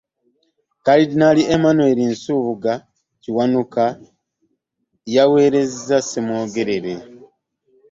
Kalidinaali Emmanuel Kiwanuka Nsubuga yaweereza Ssemwogerere.